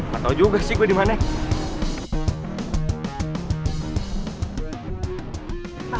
gak tau juga sih gue dimana